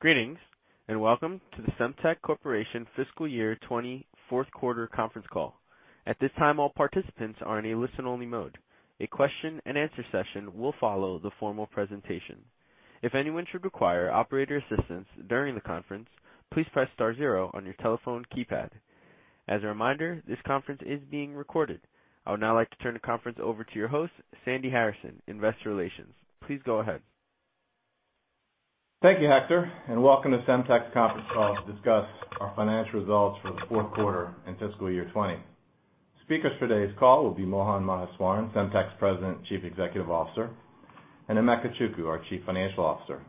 Greetings, welcome to the Semtech Corporation Fiscal Year 2020 fourth quarter conference call. At this time, all participants are in a listen-only mode. A question and answer session will follow the formal presentation. If anyone should require operator assistance during the conference, please press star zero on your telephone keypad. As a reminder, this conference is being recorded. I would now like to turn the conference over to your host, Sandy Harrison, investor relations. Please go ahead. Thank you, Hector, and welcome to Semtech's conference call to discuss our financial results for the fourth quarter and fiscal year 2020. Speakers for today's call will be Mohan Maheswaran, Semtech's President and Chief Executive Officer, and Emeka Chukwu, our Chief Financial Officer.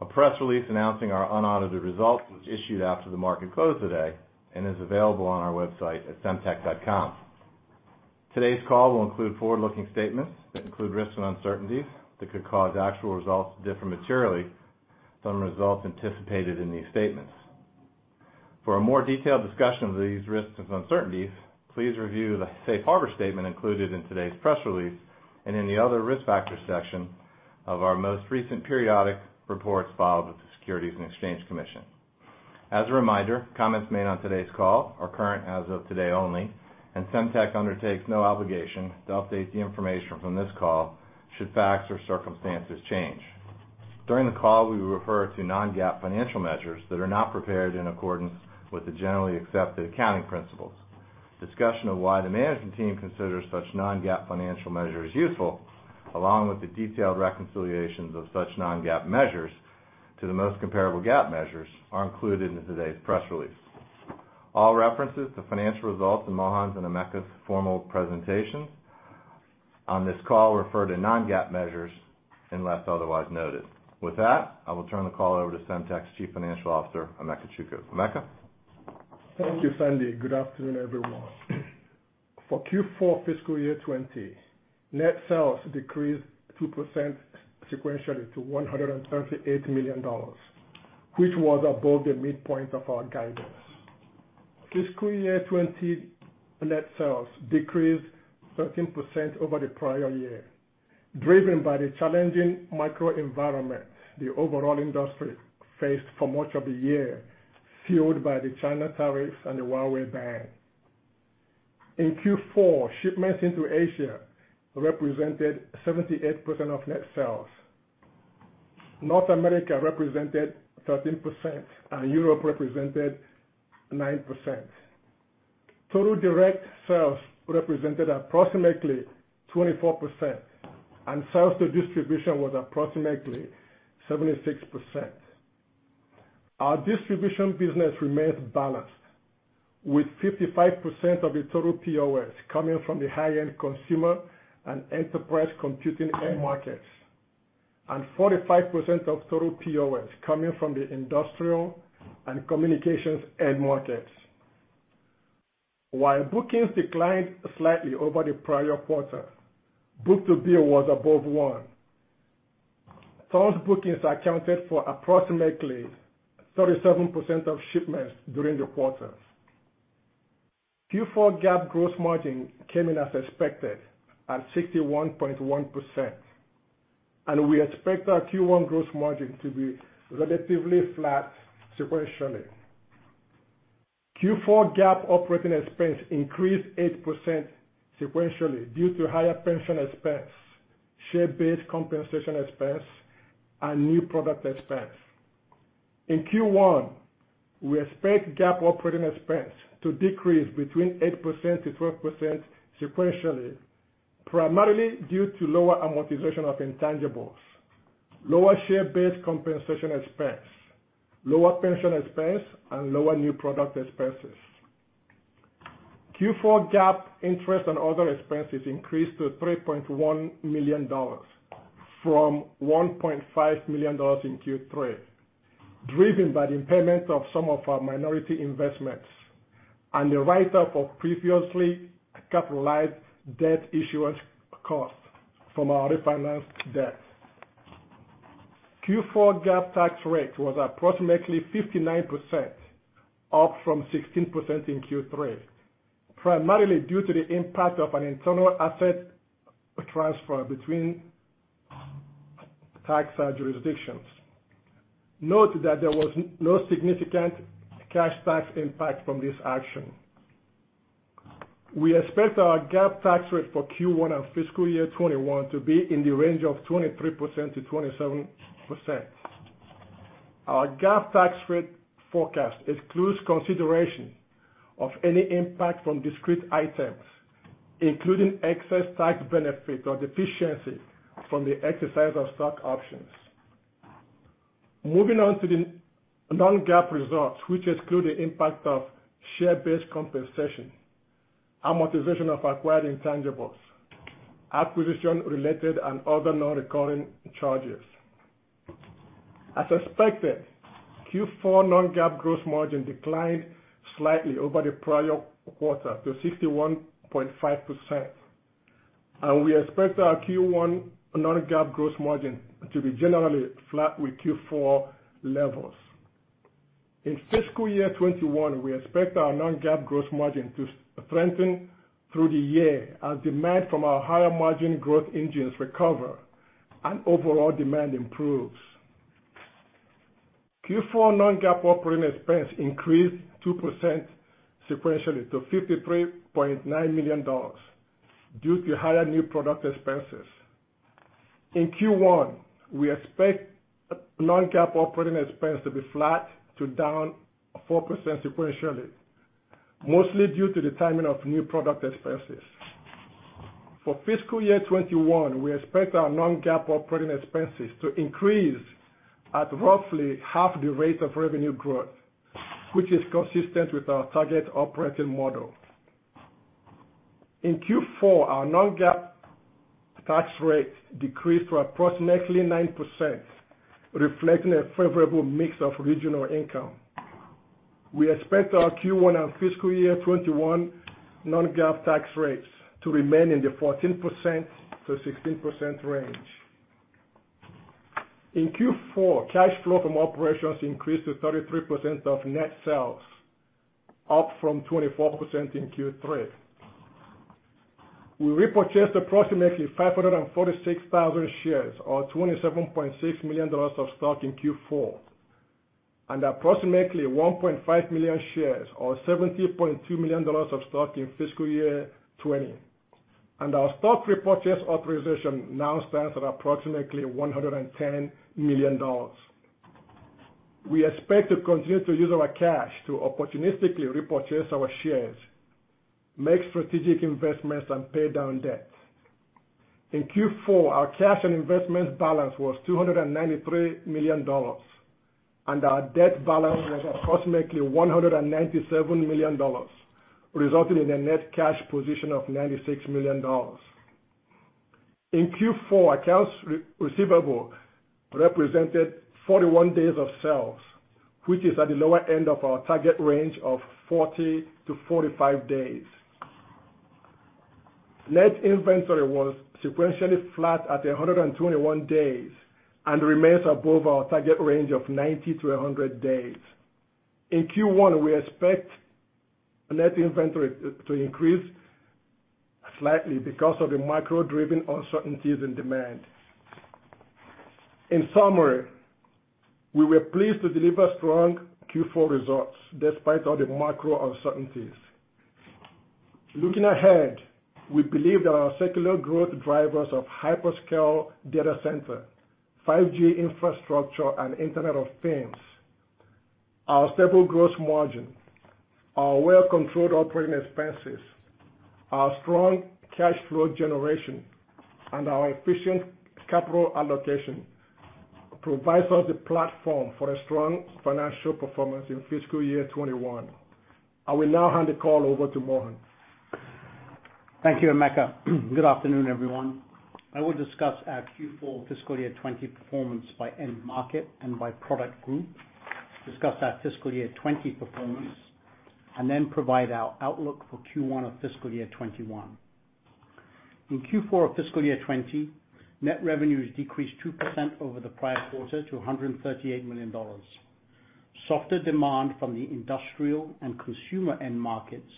A press release announcing our unaudited results was issued after the market close today and is available on our website at semtech.com. Today's call will include forward-looking statements that include risks and uncertainties that could cause actual results to differ materially from the results anticipated in these statements. For a more detailed discussion of these risks and uncertainties, please review the safe harbor statement included in today's press release and in the Other Risk Factors section of our most recent periodic reports filed with the Securities and Exchange Commission. As a reminder, comments made on today's call are current as of today only, and Semtech undertakes no obligation to update the information from this call should facts or circumstances change. During the call, we will refer to non-GAAP financial measures that are not prepared in accordance with the generally accepted accounting principles. Discussion of why the management team considers such non-GAAP financial measures useful, along with the detailed reconciliations of such non-GAAP measures to the most comparable GAAP measures, are included in today's press release. All references to financial results in Mohan's and Emeka's formal presentation on this call refer to non-GAAP measures unless otherwise noted. With that, I will turn the call over to Semtech's Chief Financial Officer, Emeka Chukwu. Emeka? Thank you, Sandy. Good afternoon, everyone. For Q4 fiscal year 2020, net sales decreased 2% sequentially to $138 million, which was above the midpoint of our guidance. Fiscal year 2020 net sales decreased 13% over the prior year, driven by the challenging microenvironment the overall industry faced for much of the year, fueled by the China tariffs and the Huawei ban. In Q4, shipments into Asia represented 78% of net sales. North America represented 13%, and Europe represented 9%. Total direct sales represented approximately 24%, and sales to distribution was approximately 76%. Our distribution business remains balanced, with 55% of the total POS coming from the high-end consumer and enterprise computing end markets, and 45% of total POS coming from the industrial and communications end markets. While bookings declined slightly over the prior quarter, book-to-bill was above one. Total bookings accounted for approximately 37% of shipments during the quarter. Q4 GAAP gross margin came in as expected at 61.1%. We expect our Q1 gross margin to be relatively flat sequentially. Q4 GAAP operating expense increased 8% sequentially due to higher pension expense, share-based compensation expense, and new product expense. In Q1, we expect GAAP operating expense to decrease between 8%-12% sequentially, primarily due to lower amortization of intangibles, lower share-based compensation expense, lower pension expense, and lower new product expenses. Q4 GAAP interest and other expenses increased to $3.1 million from $1.5 million in Q3, driven by the impairment of some of our minority investments and the write-up of previously capitalized debt issuance costs from our refinanced debt. Q4 GAAP tax rate was approximately 59%, up from 16% in Q3, primarily due to the impact of an internal asset transfer between tax jurisdictions. Note that there was no significant cash tax impact from this action. We expect our GAAP tax rate for Q1 and fiscal year 2021 to be in the range of 23%-27%. Our GAAP tax rate forecast excludes consideration of any impact from discrete items, including excess tax benefit or deficiency from the exercise of stock options. Moving on to the non-GAAP results, which exclude the impact of share-based compensation, amortization of acquired intangibles, acquisition-related, and other non-recurring charges. As expected, Q4 non-GAAP gross margin declined slightly over the prior quarter to 61.5%, and we expect our Q1 non-GAAP gross margin to be generally flat with Q4 levels. In fiscal year 2021, we expect our non-GAAP gross margin to strengthen through the year as demand from our higher margin growth engines recover and overall demand improves. Q4 non-GAAP operating expense increased 2% sequentially to $53.9 million due to higher new product expenses. In Q1, we expect non-GAAP operating expense to be flat to down 4% sequentially, mostly due to the timing of new product expenses. For fiscal year 2021, we expect our non-GAAP operating expenses to increase at roughly half the rate of revenue growth, which is consistent with our target operating model. In Q4, our non-GAAP tax rate decreased to approximately 9%, reflecting a favorable mix of regional income. We expect our Q1 and fiscal year 2021 non-GAAP tax rates to remain in the 14%-16% range. In Q4, cash flow from operations increased to 33% of net sales, up from 24% in Q3. We repurchased approximately 546,000 shares, or $27.6 million of stock in Q4, and approximately 1.5 million shares or $70.2 million of stock in fiscal year 2020. Our stock repurchase authorization now stands at approximately $110 million. We expect to continue to use our cash to opportunistically repurchase our shares, make strategic investments, and pay down debt. In Q4, our cash and investments balance was $293 million, and our debt balance was approximately $197 million, resulting in a net cash position of $96 million. In Q4, accounts receivable represented 41 days of sales, which is at the lower end of our target range of 40-45 days. Net inventory was sequentially flat at 121 days and remains above our target range of 90-100 days. In Q1, we expect net inventory to increase slightly because of the macro-driven uncertainties in demand. In summary, we were pleased to deliver strong Q4 results despite all the macro uncertainties. Looking ahead, we believe that our secular growth drivers of hyperscale data center, 5G infrastructure, and Internet of Things, our stable gross margin, our well-controlled operating expenses, our strong cash flow generation, and our efficient capital allocation provides us the platform for a strong financial performance in fiscal year 2021. I will now hand the call over to Mohan. Thank you, Emeka. Good afternoon, everyone. I will discuss our Q4 fiscal year 2020 performance by end market and by product group, discuss our fiscal year 2020 performance, then provide our outlook for Q1 of fiscal year 2021. In Q4 of fiscal year 2020, net revenues decreased 2% over the prior quarter to $138 million. Softer demand from the industrial and consumer end markets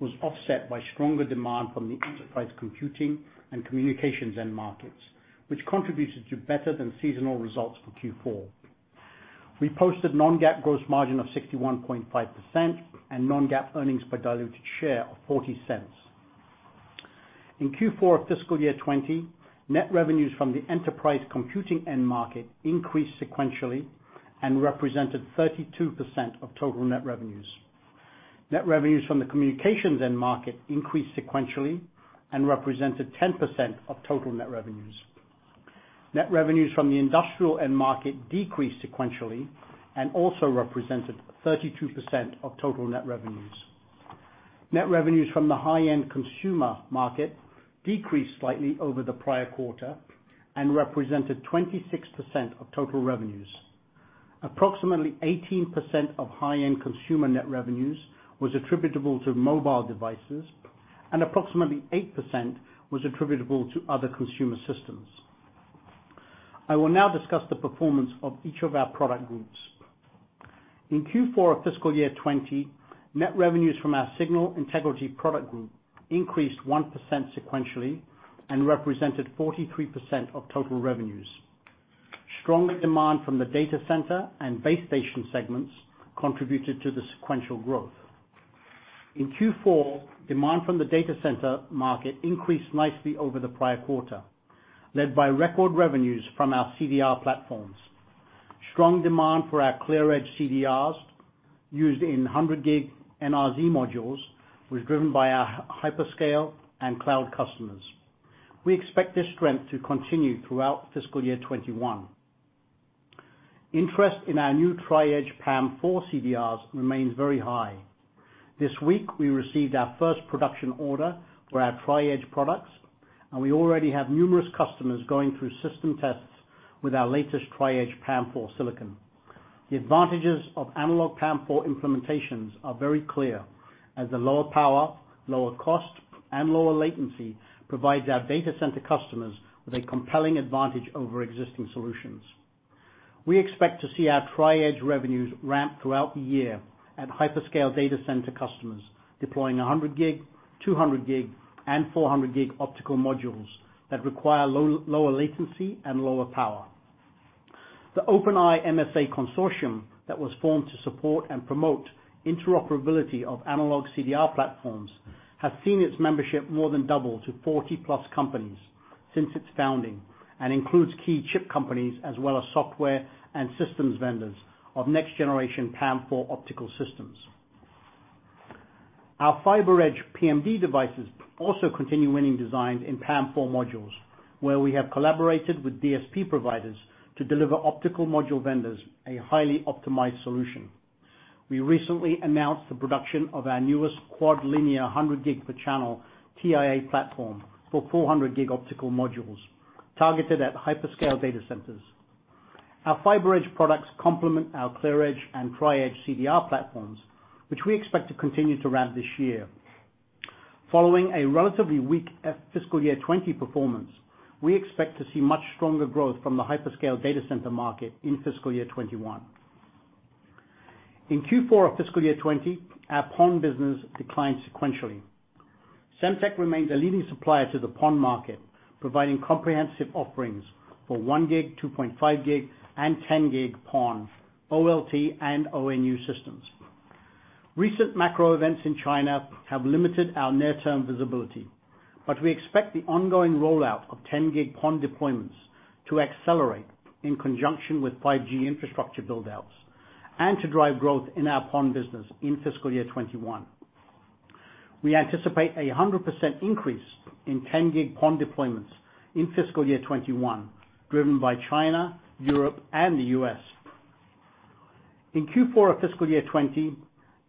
was offset by stronger demand from the enterprise computing and communications end markets, which contributed to better than seasonal results for Q4. We posted non-GAAP gross margin of 61.5% and non-GAAP earnings per diluted share of $0.40. In Q4 of fiscal year 2020, net revenues from the enterprise computing end market increased sequentially and represented 32% of total net revenues. Net revenues from the communications end market increased sequentially and represented 10% of total net revenues. Net revenues from the industrial end market decreased sequentially and also represented 32% of total net revenues. Net revenues from the high-end consumer market decreased slightly over the prior quarter and represented 26% of total revenues. Approximately 18% of high-end consumer net revenues was attributable to mobile devices, and approximately 8% was attributable to other consumer systems. I will now discuss the performance of each of our product groups. In Q4 of fiscal year 2020, net revenues from our signal integrity product group increased 1% sequentially and represented 43% of total revenues. Stronger demand from the data center and base station segments contributed to the sequential growth. In Q4, demand from the data center market increased nicely over the prior quarter, led by record revenues from our CDR platforms. Strong demand for our ClearEdge CDRs used in 100G NRZ modules was driven by our hyperscale and cloud customers. We expect this strength to continue throughout fiscal year 2021. Interest in our new Tri-Edge PAM4 CDRs remains very high. This week, we received our first production order for our Tri-Edge products, and we already have numerous customers going through system tests with our latest Tri-Edge PAM4 silicon. The advantages of analog PAM4 implementations are very clear. As the lower power, lower cost, and lower latency provides our data center customers with a compelling advantage over existing solutions. We expect to see our Tri-Edge revenues ramp throughout the year at hyperscale data center customers deploying 100G, 200G, and 400G optical modules that require lower latency and lower power. The Open Eye MSA consortium that was formed to support and promote interoperability of analog CDR platforms, has seen its membership more than double to 40+ companies since its founding, and includes key chip companies as well as software and systems vendors of next generation PAM4 optical systems. Our FiberEdge PMD devices also continue winning designs in PAM4 modules, where we have collaborated with DSP providers to deliver optical module vendors a highly optimized solution. We recently announced the production of our newest quad linear 100G per channel TIA platform for 400G optical modules targeted at hyperscale data centers. Our FiberEdge products complement our ClearEdge and Tri-Edge CDR platforms, which we expect to continue to ramp this year. Following a relatively weak fiscal year 2020 performance, we expect to see much stronger growth from the hyperscale data center market in fiscal year 2021. In Q4 of fiscal year 2020, our PON business declined sequentially. Semtech remains a leading supplier to the PON market, providing comprehensive offerings for 1G, 2.5G, and 10G PON, OLT, and ONU systems. Recent macro events in China have limited our near-term visibility. We expect the ongoing rollout of 10G PON deployments to accelerate in conjunction with 5G infrastructure build-outs, and to drive growth in our PON business in fiscal year 2021. We anticipate a 100% increase in 10G PON deployments in fiscal year 2021, driven by China, Europe, and the U.S. In Q4 of fiscal year 2020,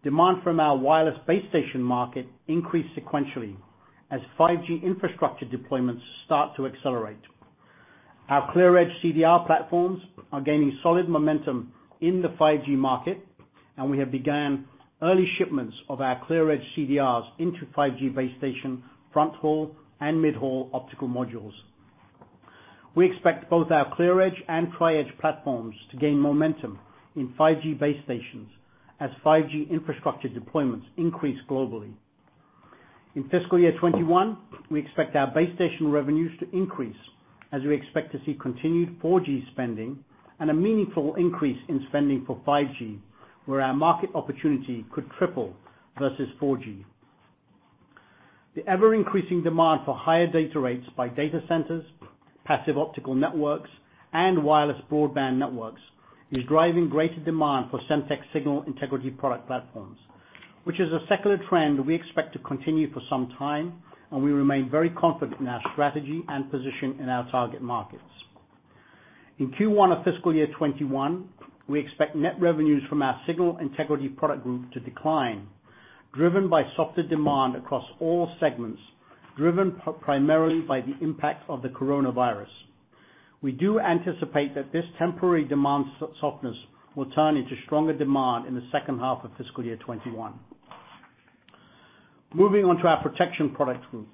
demand from our wireless base station market increased sequentially as 5G infrastructure deployments start to accelerate. Our ClearEdge CDR platforms are gaining solid momentum in the 5G market. We have begun early shipments of our ClearEdge CDRs into 5G base station front haul and mid-haul optical modules. We expect both our ClearEdge and Tri-Edge platforms to gain momentum in 5G base stations as 5G infrastructure deployments increase globally. In fiscal year 2021, we expect our base station revenues to increase as we expect to see continued 4G spending and a meaningful increase in spending for 5G, where our market opportunity could triple versus 4G. The ever-increasing demand for higher data rates by data centers, passive optical networks, and wireless broadband networks is driving greater demand for Semtech signal integrity product platforms, which is a secular trend we expect to continue for some time, and we remain very confident in our strategy and position in our target markets. In Q1 of fiscal year 2021, we expect net revenues from our signal integrity product group to decline, driven by softer demand across all segments, driven primarily by the impact of the coronavirus. We do anticipate that this temporary demand softness will turn into stronger demand in the second half of fiscal year 2021. Moving on to our protection product group.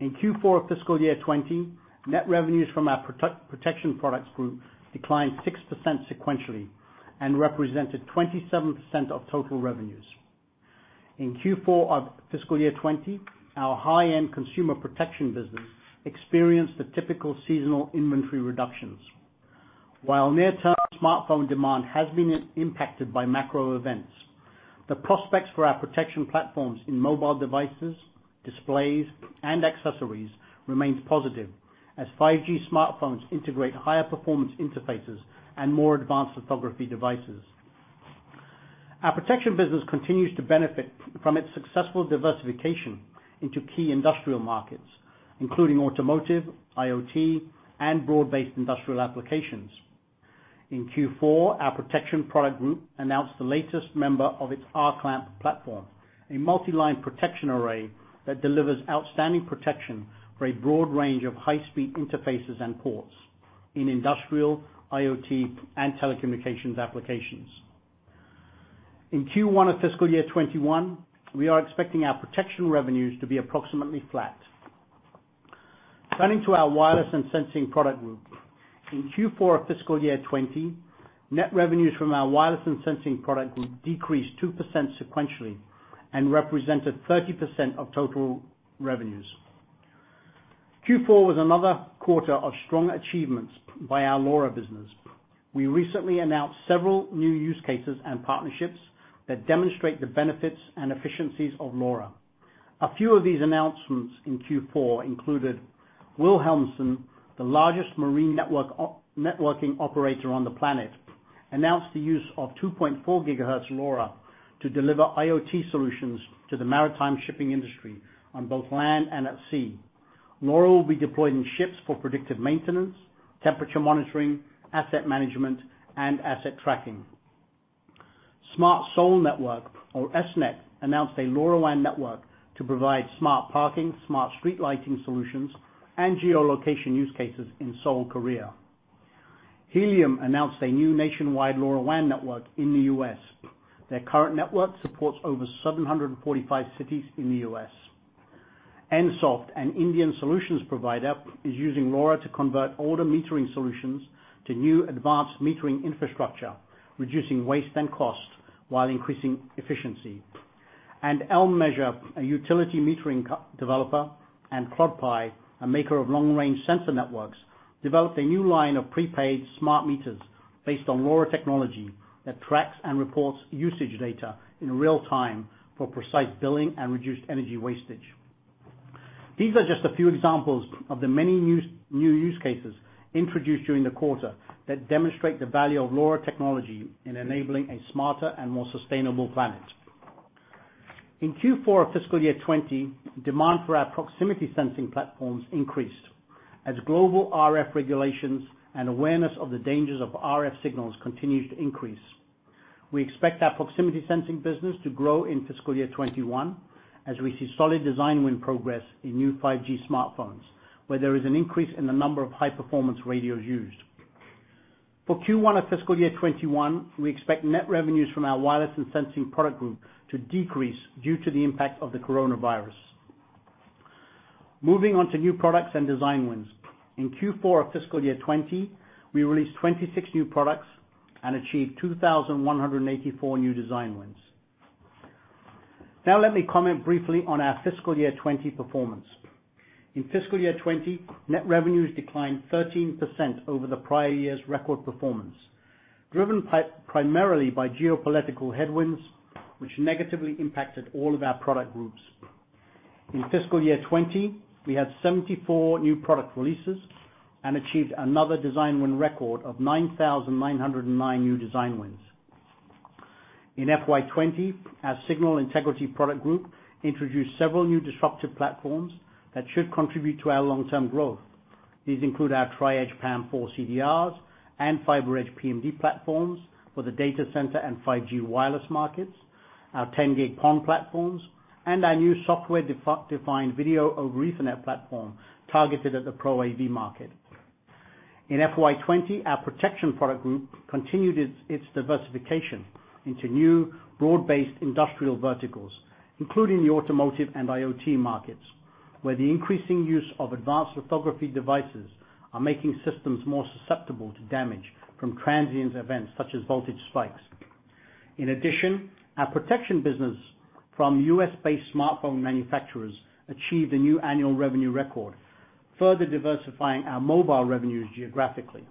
In Q4 of fiscal year 2020, net revenues from our protection products group declined 6% sequentially and represented 27% of total revenues. In Q4 of fiscal year 2020, our high-end consumer protection business experienced the typical seasonal inventory reductions. While near-term smartphone demand has been impacted by macro events, the prospects for our protection platforms in mobile devices, displays, and accessories remains positive as 5G smartphones integrate higher performance interfaces and more advanced photography devices. Our protection business continues to benefit from its successful diversification into key industrial markets, including automotive, IoT, and broad-based industrial applications. In Q4, our protection product group announced the latest member of its RClamp platform, a multi-line protection array that delivers outstanding protection for a broad range of high-speed interfaces and ports in industrial, IoT, and telecommunications applications. In Q1 of fiscal year 2021, we are expecting our protection revenues to be approximately flat. Turning to our wireless and sensing product group. In Q4 of fiscal year 2020, net revenues from our wireless and sensing product group decreased 2% sequentially and represented 30% of total revenues. Q4 was another quarter of strong achievements by our LoRa business. We recently announced several new use cases and partnerships that demonstrate the benefits and efficiencies of LoRa. A few of these announcements in Q4 included Wilhelmsen, the largest marine networking operator on the planet, announced the use of 2.4 GHz LoRa to deliver IoT solutions to the maritime shipping industry on both land and at sea. LoRa will be deployed in ships for predictive maintenance, temperature monitoring, asset management, and asset tracking. Smart Seoul Network, or S-Net, announced a LoRaWAN network to provide smart parking, smart street lighting solutions, and geolocation use cases in Seoul, Korea. Helium announced a new nationwide LoRaWAN network in the U.S. Their current network supports over 745 cities in the U.S. Ensoft, an Indian solutions provider, is using LoRa to convert older metering solutions to new advanced metering infrastructure, reducing waste and cost while increasing efficiency. L-Measure, a utility metering developer, and CloudPie, a maker of long-range sensor networks, developed a new line of prepaid smart meters based on LoRa technology that tracks and reports usage data in real time for precise billing and reduced energy wastage. These are just a few examples of the many new use cases introduced during the quarter that demonstrate the value of LoRa technology in enabling a smarter and more sustainable planet. In Q4 of fiscal year 2020, demand for our proximity sensing platforms increased as global RF regulations and awareness of the dangers of RF signals continued to increase. We expect our proximity sensing business to grow in fiscal year 2021, as we see solid design win progress in new 5G smartphones, where there is an increase in the number of high-performance radios used. For Q1 of fiscal year 2021, we expect net revenues from our wireless and sensing product group to decrease due to the impact of the coronavirus. Moving on to new products and design wins. In Q4 of fiscal year 2020, we released 26 new products and achieved 2,184 new design wins. Let me comment briefly on our fiscal year 2020 performance. In fiscal year 2020, net revenues declined 13% over the prior year's record performance, driven primarily by geopolitical headwinds, which negatively impacted all of our product groups. In fiscal year 2020, we had 74 new product releases and achieved another design win record of 9,909 new design wins. In FY 2020, our signal integrity product group introduced several new disruptive platforms that should contribute to our long-term growth. These include our Tri-Edge PAM4 CDRs and FiberEdge PMD platforms for the data center and 5G wireless markets, our 10 Gig PON platforms, and our new software-defined video over Ethernet platform targeted at the Pro AV market. In FY 2020, our protection product group continued its diversification into new broad-based industrial verticals, including the automotive and IoT markets, where the increasing use of advanced lithography devices are making systems more susceptible to damage from transient events such as voltage spikes. In addition, our protection business from U.S.-based smartphone manufacturers achieved a new annual revenue record, further diversifying our mobile revenues geographically.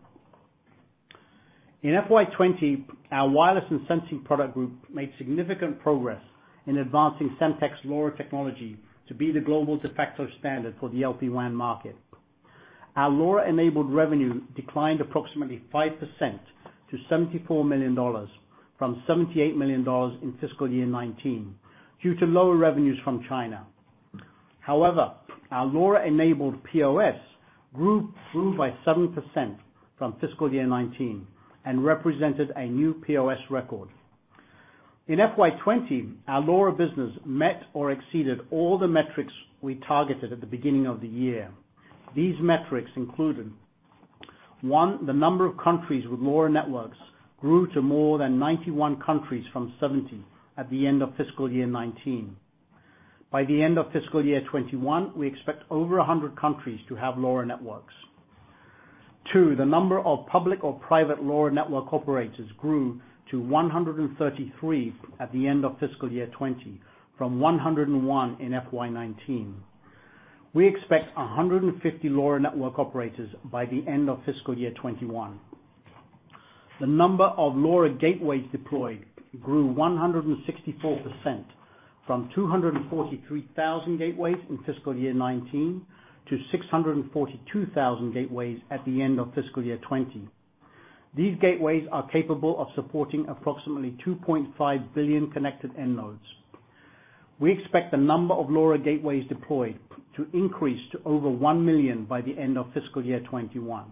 In FY 2020, our wireless and sensing product group made significant progress in advancing Semtech's LoRa technology to be the global de facto standard for the LPWAN market. Our LoRa-enabled revenue declined approximately 5% to $74 million from $78 million in fiscal year 2019 due to lower revenues from China. Our LoRa-enabled POS grew by 7% from fiscal year 2019 and represented a new POS record. In FY 2020, our LoRa business met or exceeded all the metrics we targeted at the beginning of the year. These metrics included, one, the number of countries with LoRa networks grew to more than 91 countries from 70 at the end of fiscal year 2019. By the end of fiscal year 2021, we expect over 100 countries to have LoRa networks. Two, the number of public or private LoRa network operators grew to 133 at the end of fiscal year 2020 from 101 in FY 2019. We expect 150 LoRa network operators by the end of fiscal year 2021. The number of LoRa gateways deployed grew 164%, from 243,000 gateways in fiscal year 2019 to 642,000 gateways at the end of fiscal year 2020. These gateways are capable of supporting approximately 2.5 billion connected end nodes. We expect the number of LoRa gateways deployed to increase to over 1 million by the end of fiscal year 2021.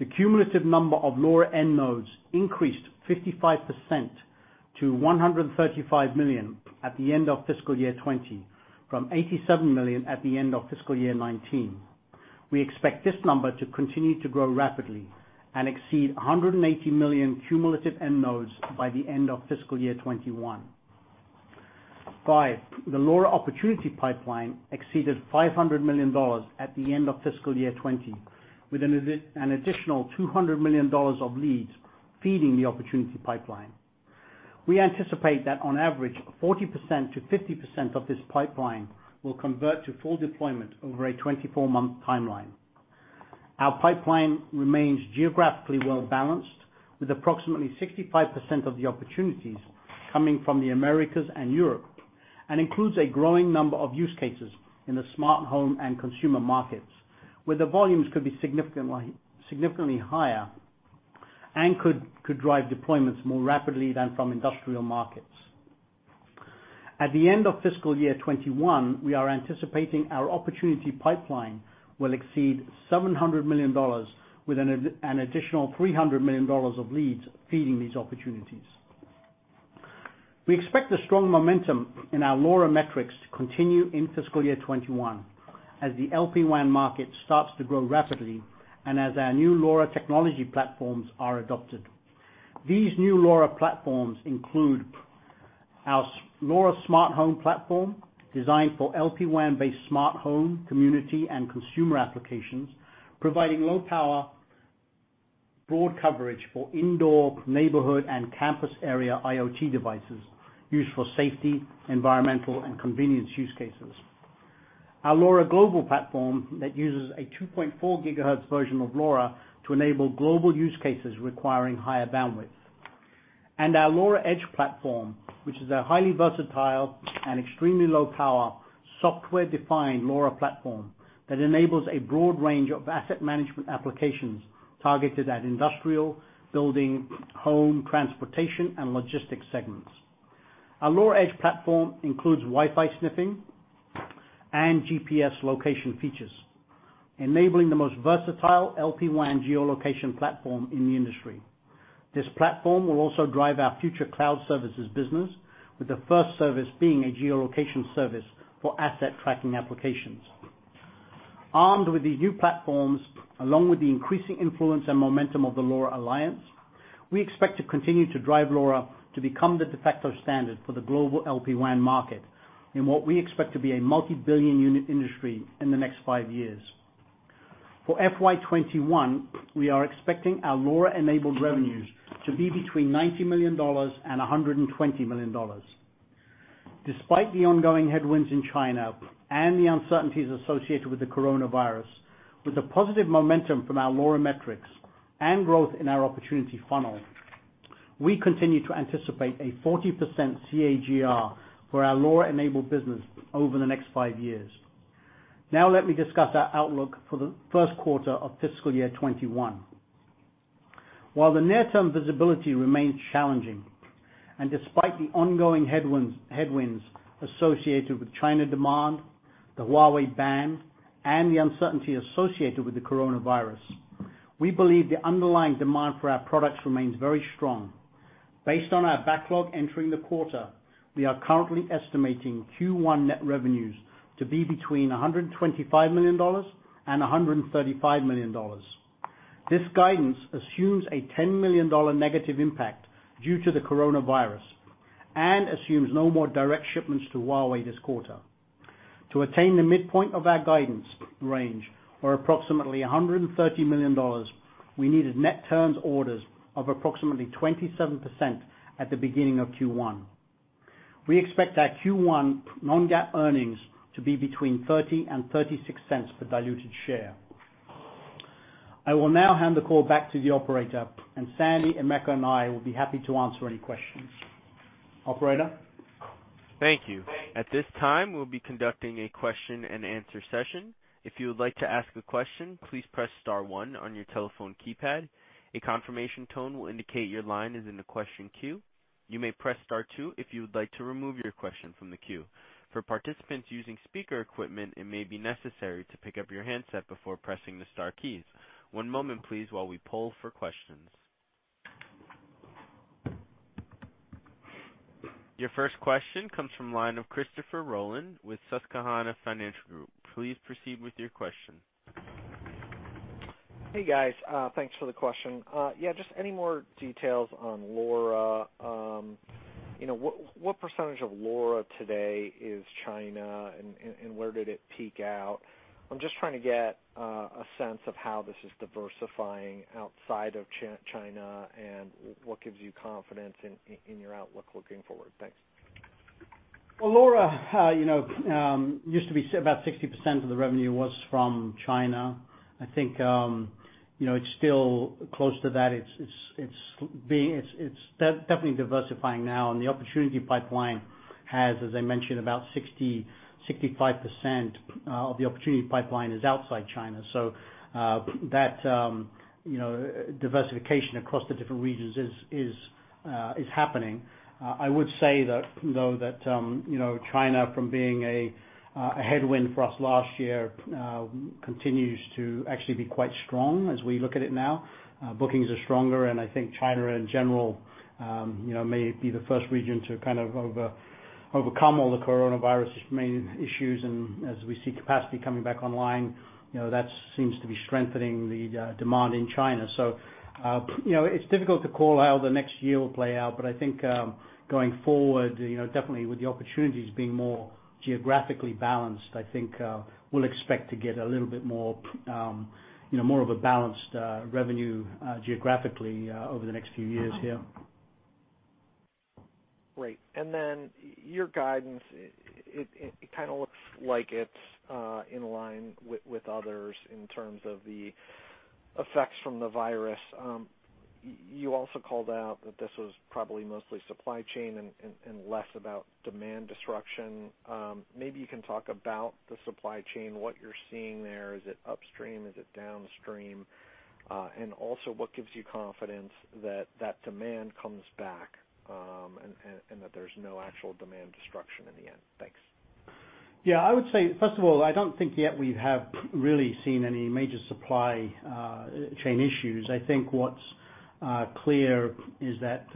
The cumulative number of LoRa end nodes increased 55% to 135 million at the end of fiscal year 2020 from 87 million at the end of fiscal year 2019. We expect this number to continue to grow rapidly and exceed 180 million cumulative end nodes by the end of fiscal year 2021. Five, the LoRa opportunity pipeline exceeded $500 million at the end of fiscal year 2020, with an additional $200 million of leads feeding the opportunity pipeline. We anticipate that on average, 40%-50% of this pipeline will convert to full deployment over a 24-month timeline. Our pipeline remains geographically well-balanced with approximately 65% of the opportunities coming from the Americas and Europe, and includes a growing number of use cases in the smart home and consumer markets, where the volumes could be significantly higher and could drive deployments more rapidly than from industrial markets. At the end of fiscal year 2021, we are anticipating our opportunity pipeline will exceed $700 million with an additional $300 million of leads feeding these opportunities. We expect the strong momentum in our LoRa metrics to continue in fiscal year 2021 as the LPWAN market starts to grow rapidly and as our new LoRa technology platforms are adopted. These new LoRa platforms include our LoRa Smart Home platform, designed for LPWAN-based smart home, community, and consumer applications, providing low power, broad coverage for indoor, neighborhood, and campus area IoT devices used for safety, environmental, and convenience use cases. Our LoRa Global platform that uses a 2.4 GHz version of LoRa to enable global use cases requiring higher bandwidth. Our LoRa Edge platform, which is a highly versatile and extremely low power, software-defined LoRa platform that enables a broad range of asset management applications targeted at industrial, building, home, transportation, and logistics segments. Our LoRa Edge platform includes Wi-Fi sniffing and GPS location features, enabling the most versatile LPWAN geolocation platform in the industry. This platform will also drive our future cloud services business, with the first service being a geolocation service for asset tracking applications. Armed with these new platforms, along with the increasing influence and momentum of the LoRa Alliance, we expect to continue to drive LoRa to become the de facto standard for the global LPWAN market in what we expect to be a multi-billion unit industry in the next five years. For FY 2021, we are expecting our LoRa-enabled revenues to be between $90 million and $120 million. Despite the ongoing headwinds in China and the uncertainties associated with the coronavirus, with the positive momentum from our LoRa metrics and growth in our opportunity funnel, we continue to anticipate a 40% CAGR for our LoRa-enabled business over the next five years. Let me discuss our outlook for the first quarter of fiscal year 2021. While the near-term visibility remains challenging, and despite the ongoing headwinds associated with China demand, the Huawei ban, and the uncertainty associated with the coronavirus, we believe the underlying demand for our products remains very strong. Based on our backlog entering the quarter, we are currently estimating Q1 net revenues to be between $125 million and $135 million. This guidance assumes a $10 million negative impact due to the coronavirus and assumes no more direct shipments to Huawei this quarter. To attain the midpoint of our guidance range, or approximately $130 million, we needed net turns orders of approximately 27% at the beginning of Q1. We expect our Q1 non-GAAP earnings to be between $0.30 and $0.36 per diluted share. I will now hand the call back to the operator, and Sandy, Emeka, and I will be happy to answer any questions. Operator? Thank you. At this time, we'll be conducting a question and answer session. If you would like to ask a question, please press star one on your telephone keypad. A confirmation tone will indicate your line is in the question queue. You may press star two if you would like to remove your question from the queue. For participants using speaker equipment, it may be necessary to pick up your handset before pressing the star keys. One moment, please, while we poll for questions. Your first question comes from the line of Christopher Rolland with Susquehanna Financial Group. Please proceed with your question. Hey, guys. Thanks for the question. Yeah, just any more details on LoRa. What percentage of LoRa today is China, and where did it peak out? I'm just trying to get a sense of how this is diversifying outside of China and what gives you confidence in your outlook looking forward. Thanks. Well, LoRa, used to be about 60% of the revenue was from China. I think it's still close to that. It's definitely diversifying now, and the opportunity pipeline has, as I mentioned, about 65% of the opportunity pipeline is outside China. That diversification across the different regions is happening. I would say that, though, that China, from being a headwind for us last year, continues to actually be quite strong as we look at it now. Bookings are stronger, and I think China in general may be the first region to kind of overcome all the coronavirus' main issues. As we see capacity coming back online, that seems to be strengthening the demand in China. It's difficult to call how the next year will play out, but I think going forward, definitely with the opportunities being more geographically balanced, I think we'll expect to get a little bit more of a balanced revenue geographically over the next few years here. Great. Your guidance, it kind of looks like it's in line with others in terms of the effects from the virus. You also called out that this was probably mostly supply chain and less about demand disruption. Maybe you can talk about the supply chain, what you're seeing there. Is it upstream? Is it downstream? What gives you confidence that that demand comes back, and that there's no actual demand destruction in the end? Thanks. Yeah, I would say, first of all, I don't think yet we have really seen any major supply chain issues. I think what's clear is that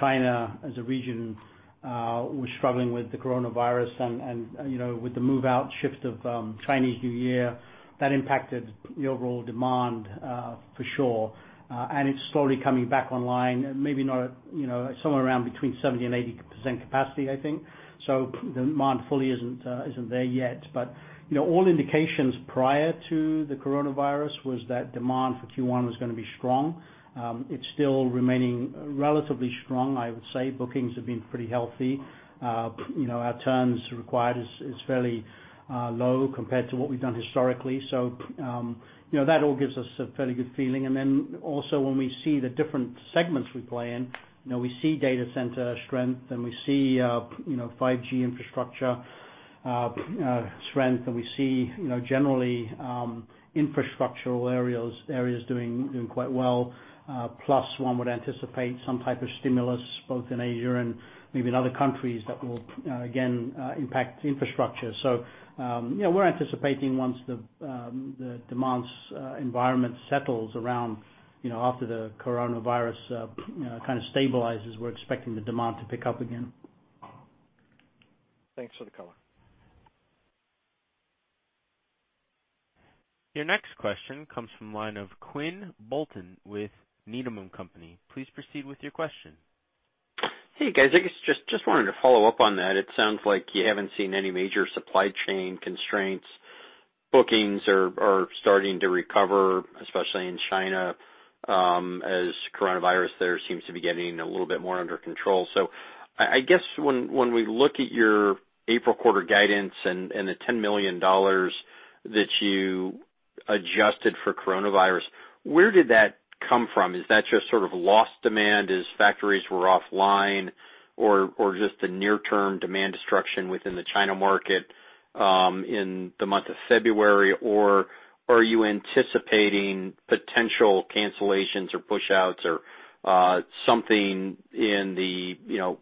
China, as a region, was struggling with the coronavirus and with the move out shift of Chinese New Year. That impacted the overall demand, for sure. It's slowly coming back online, maybe not somewhere around between 70% and 80% capacity, I think. The demand fully isn't there yet. All indications prior to the coronavirus was that demand for Q1 was going to be strong. It's still remaining relatively strong, I would say. Bookings have been pretty healthy. Our turns required is fairly low compared to what we've done historically. That all gives us a fairly good feeling. When we see the different segments we play in, we see data center strength, and we see 5G infrastructure strength, and we see generally infrastructural areas doing quite well. One would anticipate some type of stimulus both in Asia and maybe in other countries that will, again, impact infrastructure. We're anticipating once the demands environment settles around after the coronavirus kind of stabilizes, we're expecting the demand to pick up again. Thanks for the color. Your next question comes from the line of Quinn Bolton with Needham & Company. Please proceed with your question. Hey, guys. I guess just wanted to follow up on that. It sounds like you haven't seen any major supply chain constraints. Bookings are starting to recover, especially in China, as coronavirus there seems to be getting a little bit more under control. I guess when we look at your April quarter guidance and the $10 million that you adjusted for coronavirus, where did that come from? Is that just sort of lost demand as factories were offline, or just the near term demand destruction within the China market in the month of February, or are you anticipating potential cancellations or pushouts or something in the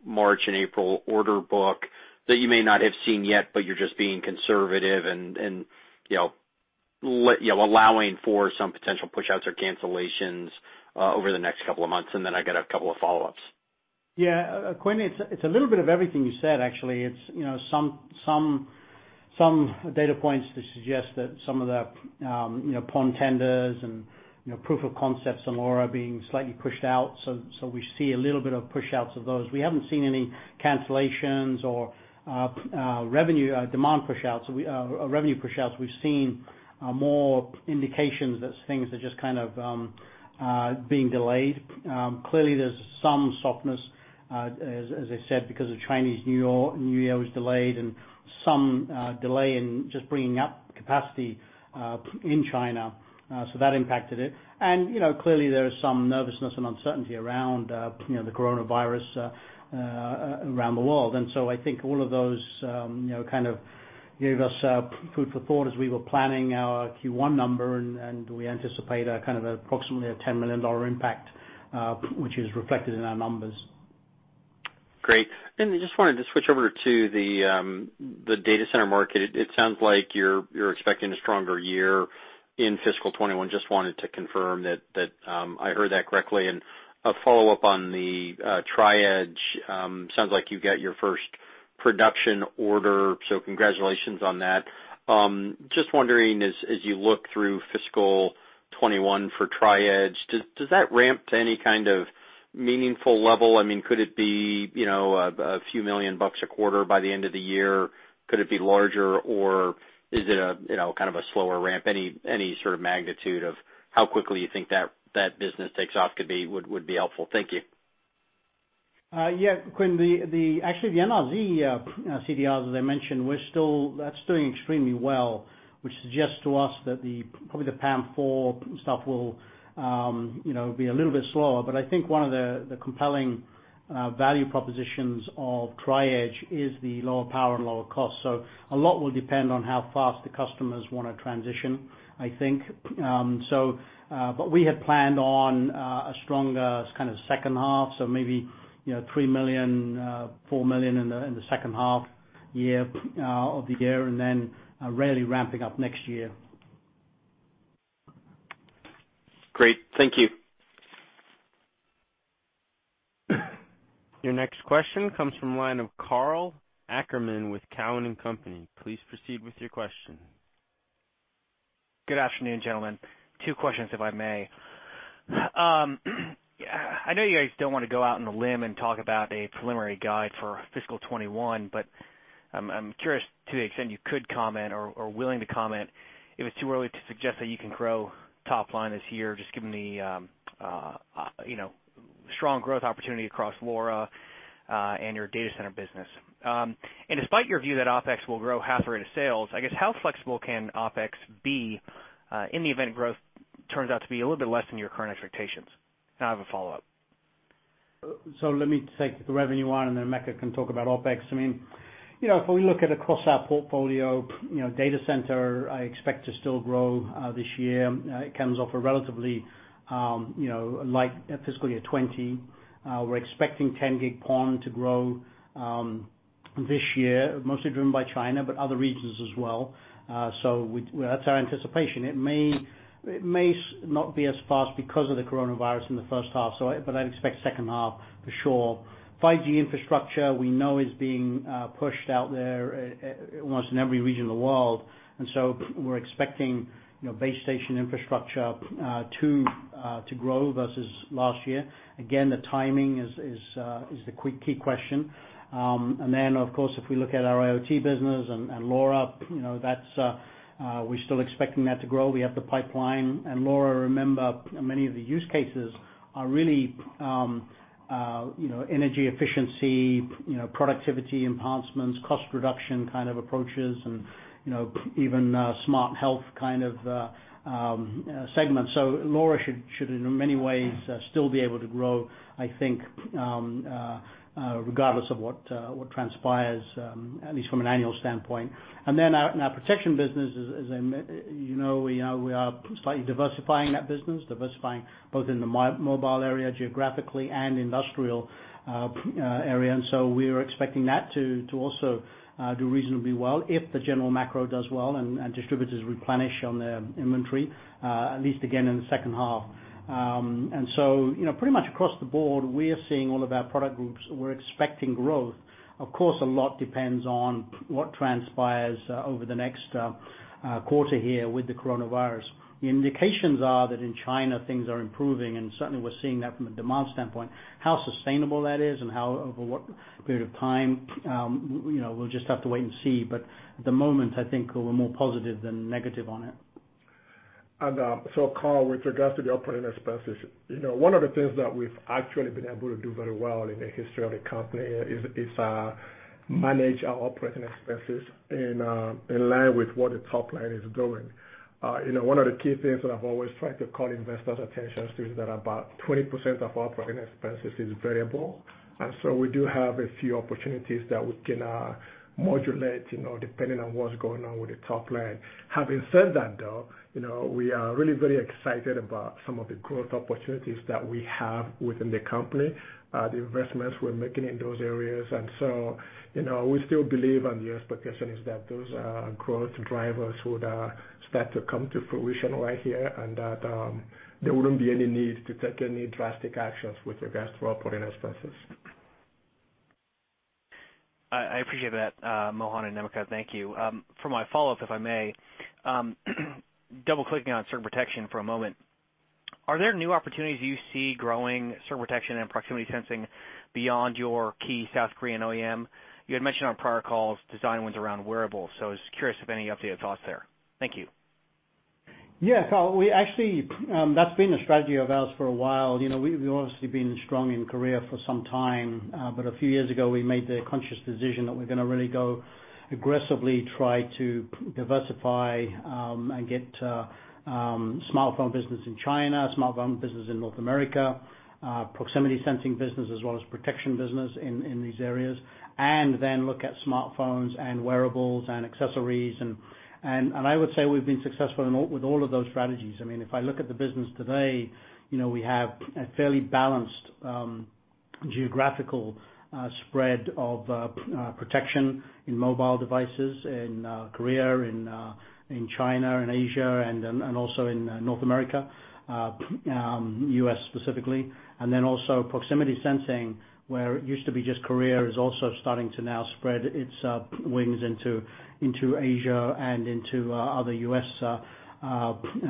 March and April order book that you may not have seen yet, but you're just being conservative and allowing for some potential pushouts or cancellations over the next couple of months? I got a couple of follow-ups. Quinn, it's a little bit of everything you said, actually. Some data points to suggest that some of the PON tenders and proof of concepts on LoRa being slightly pushed out. We see a little bit of pushouts of those. We haven't seen any cancellations or demand pushouts, revenue pushouts. We've seen more indications that things are just kind of being delayed. Clearly, there's some softness, as I said, because the Chinese New Year was delayed and some delay in just bringing up capacity in China. That impacted it. Clearly there is some nervousness and uncertainty around the coronavirus around the world. I think all of those kind of gave us food for thought as we were planning our Q1 number, and we anticipate kind of approximately a $10 million impact, which is reflected in our numbers. Great. Just wanted to switch over to the data center market. It sounds like you're expecting a stronger year in fiscal 2021. Just wanted to confirm that I heard that correctly. A follow-up on the Tri-Edge. Sounds like you got your first production order, so congratulations on that. Just wondering as you look through fiscal 2021 for Tri-Edge, does that ramp to any kind of meaningful level? I mean, could it be a few million dollars a quarter by the end of the year? Could it be larger or is it kind of a slower ramp? Any sort of magnitude of how quickly you think that business takes off would be helpful. Thank you. Yeah. Quinn, actually, the NRZ CDRs, as I mentioned, that's doing extremely well, which suggests to us that probably the PAM4 stuff will be a little bit slower. I think one of the compelling value propositions of Tri-Edge is the lower power and lower cost. A lot will depend on how fast the customers want to transition, I think. We had planned on a stronger kind of second half, so maybe $3 million, $4 million in the second half of the year, and then really ramping up next year. Great. Thank you. Your next question comes from the line of Karl Ackerman with Cowen and Company. Please proceed with your question. Good afternoon, gentlemen. Two questions, if I may. I know you guys don't want to go out on a limb and talk about a preliminary guide for fiscal 2021, but I'm curious to the extent you could comment or are willing to comment if it's too early to suggest that you can grow top line this year, just given the strong growth opportunity across LoRa and your data center business. Despite your view that OpEx will grow half the rate of sales, I guess how flexible can OpEx be in the event growth turns out to be a little bit less than your current expectations? Now I have a follow-up. Let me take the revenue one, and then Emeka can talk about OpEx. I mean, if we look at across our portfolio, data center, I expect to still grow this year. It comes off a relatively light fiscal year 2020. We're expecting 10 gig PON to grow this year, mostly driven by China, but other regions as well. That's our anticipation. It may not be as fast because of the coronavirus in the first half, but I'd expect second half for sure. 5G infrastructure, we know is being pushed out there almost in every region of the world. We're expecting base station infrastructure to grow versus last year. Again, the timing is the key question. Of course, if we look at our IoT business and LoRa, we're still expecting that to grow. We have the pipeline and LoRa, remember, many of the use cases are really energy efficiency, productivity enhancements, cost reduction kind of approaches, and even smart health kind of segments. LoRa should, in many ways, still be able to grow, I think, regardless of what transpires, at least from an annual standpoint. Our protection business, as you know, we are slightly diversifying that business, diversifying both in the mobile area geographically and industrial area. We are expecting that to also do reasonably well if the general macro does well and distributors replenish on their inventory, at least again in the second half. Pretty much across the board, we are seeing all of our product groups, we're expecting growth. Of course, a lot depends on what transpires over the next quarter here with the coronavirus. The indications are that in China, things are improving, and certainly we're seeing that from a demand standpoint. How sustainable that is and over what period of time, we'll just have to wait and see. At the moment, I think we're more positive than negative on it. Karl, with regards to the operating expenses, one of the things that we've actually been able to do very well in the history of the company is manage our operating expenses in line with what the top line is doing. One of the key things that I've always tried to call investors' attention to is that about 20% of operating expenses is variable. We do have a few opportunities that we can modulate, depending on what's going on with the top line. Having said that, though, we are really very excited about some of the growth opportunities that we have within the company, the investments we're making in those areas. We still believe and the expectation is that those growth drivers would start to come to fruition right here, and that there wouldn't be any need to take any drastic actions with regards to operating expenses. I appreciate that, Mohan and Emeka, thank you. For my follow-up, if I may, double-clicking on circuit protection for a moment. Are there new opportunities you see growing circuit protection and proximity sensing beyond your key South Korean OEM? You had mentioned on prior calls design wins around wearables, so I was curious if any updated thoughts there. Thank you. Yeah. Karl, actually, that's been a strategy of ours for a while. We've obviously been strong in Korea for some time. A few years ago, we made the conscious decision that we're gonna really go aggressively try to diversify, and get smartphone business in China, smartphone business in North America, proximity sensing business as well as protection business in these areas. Then look at smartphones and wearables and accessories, and I would say we've been successful with all of those strategies. If I look at the business today, we have a fairly balanced geographical spread of protection in mobile devices in Korea, in China and Asia, and also in North America, U.S. specifically. Also proximity sensing, where it used to be just Korea, is also starting to now spread its wings into Asia and into other U.S.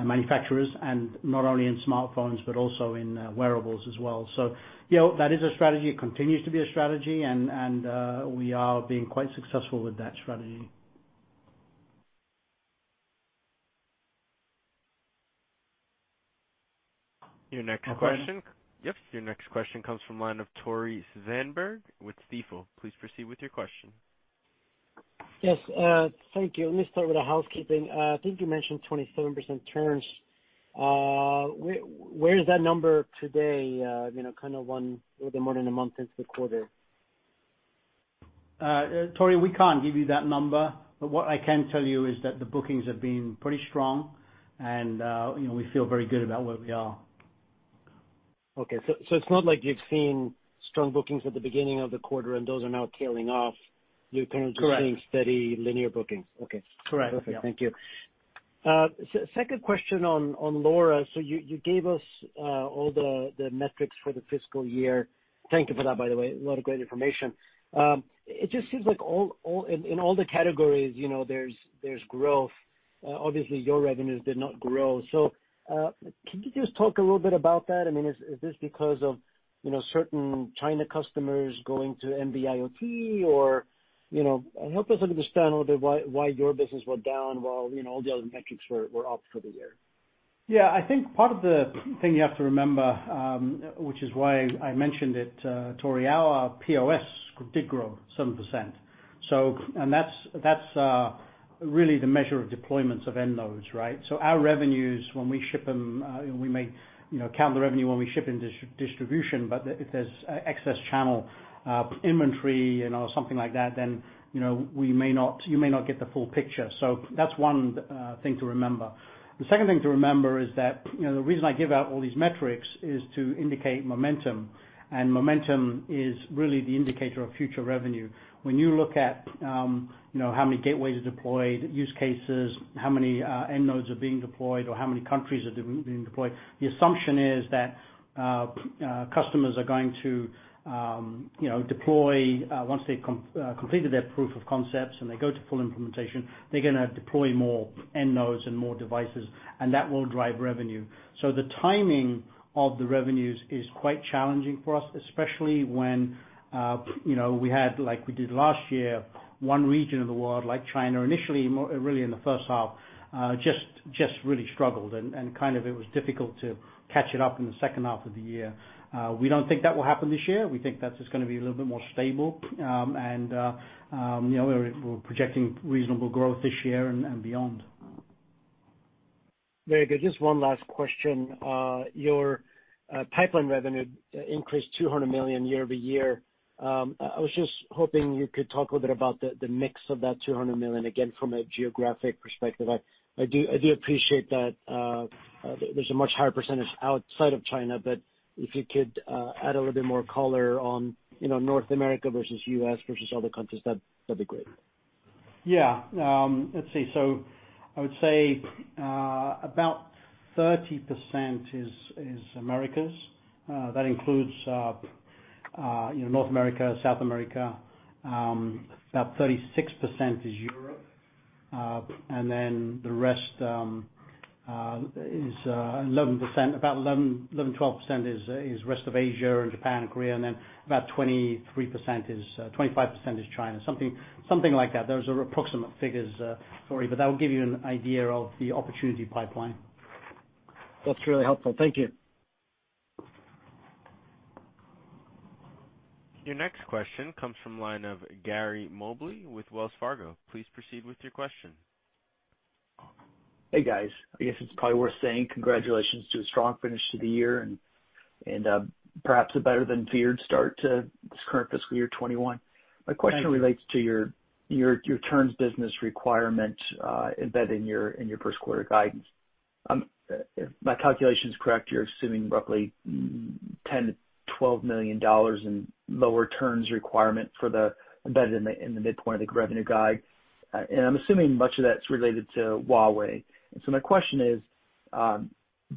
manufacturers, and not only in smartphones but also in wearables as well. That is a strategy, continues to be a strategy, and we are being quite successful with that strategy. Your next question. Yep. Your next question comes from line of Tore Svanberg with Stifel. Please proceed with your question. Yes, thank you. Let me start with the housekeeping. I think you mentioned 27% turns. Where is that number today, kind of one little more than a month into the quarter? Tore, we can't give you that number. What I can tell you is that the bookings have been pretty strong and we feel very good about where we are. Okay. It's not like you've seen strong bookings at the beginning of the quarter and those are now tailing off. Correct seeing steady linear bookings. Okay. Correct. Yeah. Perfect. Thank you. Second question on LoRa. You gave us all the metrics for the fiscal year. Thank you for that, by the way, a lot of great information. It just seems like in all the categories, there's growth. Obviously, your revenues did not grow. Can you just talk a little bit about that? Is this because of certain China customers going to NB-IoT? Help us understand a little bit why your business was down while all the other metrics were up for the year. Yeah, I think part of the thing you have to remember, which is why I mentioned it, Tore, our POS did grow 7%. That's really the measure of deployments of end nodes, right? Our revenues, when we ship them, we may count the revenue when we ship in distribution, but if there's excess channel inventory, something like that, then you may not get the full picture. That's one thing to remember. The second thing to remember is that the reason I give out all these metrics is to indicate momentum. Momentum is really the indicator of future revenue. When you look at how many gateways are deployed, use cases, how many end nodes are being deployed, or how many countries they're being deployed, the assumption is that customers are going to deploy once they've completed their proof of concepts and they go to full implementation, they're going to deploy more end nodes and more devices, and that will drive revenue. The timing of the revenues is quite challenging for us, especially when we had, like we did last year, one region of the world, like China, initially, really in the first half, just really struggled, and it was difficult to catch it up in the second half of the year. We don't think that will happen this year. We think that's just going to be a little bit more stable. We're projecting reasonable growth this year and beyond. Very good. Just one last question. Your pipeline revenue increased $200 million year-over-year. I was just hoping you could talk a little bit about the mix of that $200 million, again, from a geographic perspective. I do appreciate that there's a much higher percentage outside of China, but if you could add a little bit more color on North America versus U.S. versus other countries, that'd be great. Yeah. Let's see. I would say about 30% is Americas. That includes North America, South America. About 36% is Europe. The rest is 11%, about 11%-12% is rest of Asia and Japan and Korea. About 23%-25% is China. Something like that. Those are approximate figures, sorry, but that will give you an idea of the opportunity pipeline. That's really helpful. Thank you. Your next question comes from the line of Gary Mobley with Wells Fargo. Please proceed with your question. Hey, guys. I guess it's probably worth saying congratulations to a strong finish to the year and perhaps a better than feared start to this current fiscal year 2021. Thank you. My question relates to your turns business requirement embedded in your first quarter guidance. If my calculation is correct, you're assuming roughly $10 million-$12 million in lower turns requirement embedded in the midpoint of the revenue guide. I'm assuming much of that is related to Huawei. My question is,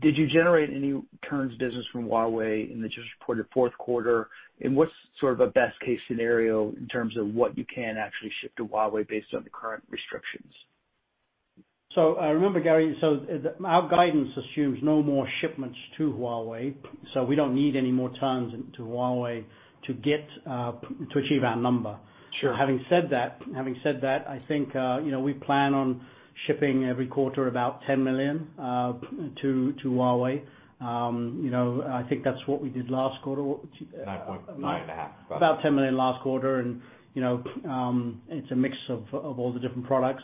did you generate any turns business from Huawei in the just reported fourth quarter? What's sort of a best case scenario in terms of what you can actually ship to Huawei based on the current restrictions? Remember, Gary, so our guidance assumes no more shipments to Huawei, so we don't need any more turns into Huawei to achieve our number. Sure. Having said that, I think we plan on shipping every quarter about $10 million to Huawei. I think that's what we did last quarter. 9.5. About $10 million last quarter, it's a mix of all the different products,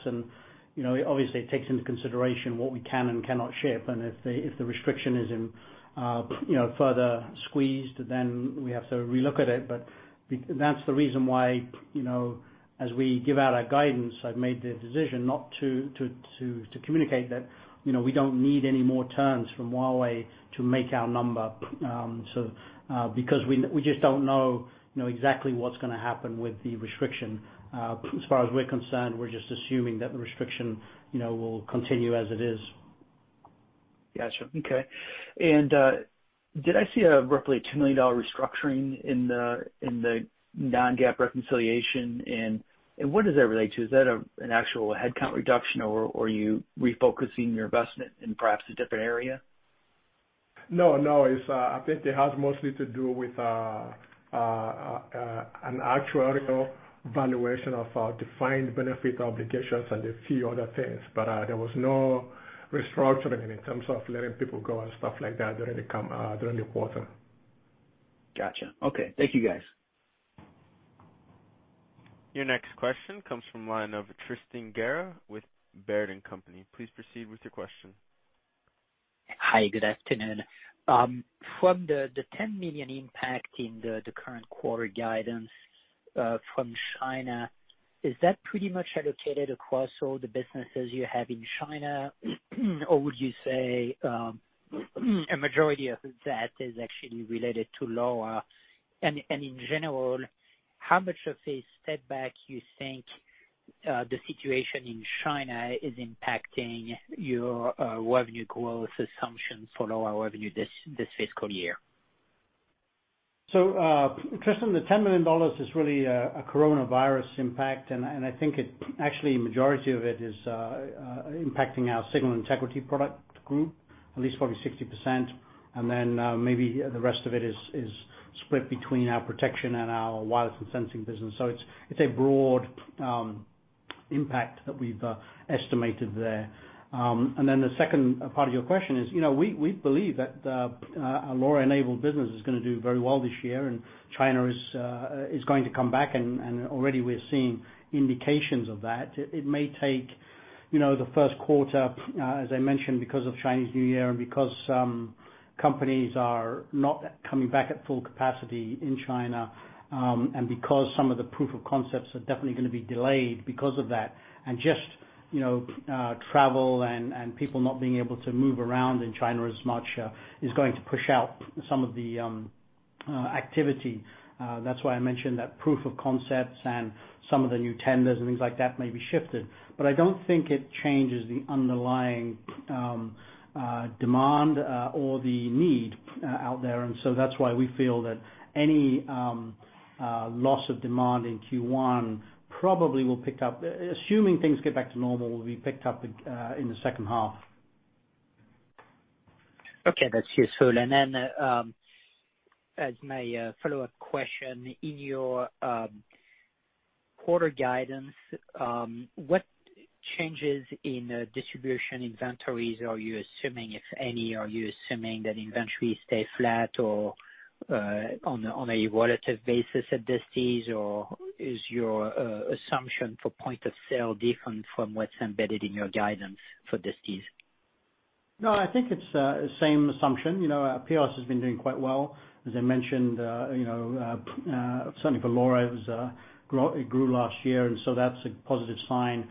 obviously it takes into consideration what we can and cannot ship. If the restriction is further squeezed, we have to relook at it. That's the reason why, as we give out our guidance, I've made the decision not to communicate that we don't need any more turns from Huawei to make our number, we just don't know exactly what's going to happen with the restriction. As far as we're concerned, we're just assuming that the restriction will continue as it is. Got you. Okay. Did I see a roughly $10 million restructuring in the non-GAAP reconciliation? What does that relate to? Is that an actual headcount reduction, or are you refocusing your investment in perhaps a different area? I think it has mostly to do with an actuarial valuation of our defined benefit obligations and a few other things, but there was no restructuring in terms of letting people go and stuff like that during the quarter. Got you. Okay. Thank you, guys. Your next question comes from the line of Tristan Gerra with Baird & Company. Please proceed with your question. Hi, good afternoon. From the $10 million impact in the current quarter guidance from China, is that pretty much allocated across all the businesses you have in China? Would you say a majority of that is actually related to LoRa? In general, how much of a setback you think the situation in China is impacting your revenue growth assumptions for LoRa revenue this fiscal year? Tristan, the $10 million is really a coronavirus impact, and I think actually majority of it is impacting our signal integrity product group, at least probably 60%. Maybe the rest of it is split between our protection and our wireless and sensing business. It's a broad impact that we've estimated there. The second part of your question is, we believe that our LoRa-enabled business is going to do very well this year, and China is going to come back, and already we're seeing indications of that. It may take the first quarter, as I mentioned, because of Chinese New Year and because some companies are not coming back at full capacity in China, and because some of the proof of concepts are definitely going to be delayed because of that. Just travel and people not being able to move around in China as much is going to push out some of the activity. That's why I mentioned that proof of concepts and some of the new tenders and things like that may be shifted. I don't think it changes the underlying demand or the need out there. That's why we feel that any loss of demand in Q1 probably will pick up, assuming things get back to normal, will be picked up in the second half. Okay. That's useful. As my follow-up question, in your quarter guidance, what changes in distribution inventories are you assuming, if any? Are you assuming that inventories stay flat or on a relative basis at this stage? Is your assumption for point of sale different from what's embedded in your guidance for this stage? No, I think it's the same assumption. POS has been doing quite well. As I mentioned, certainly for LoRa, it grew last year, and so that's a positive sign.